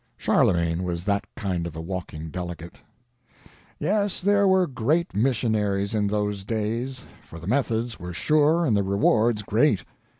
Charlemagne was that kind of a walking delegate. Yes, there were great missionaries in those days, for the methods were sure and the rewards great.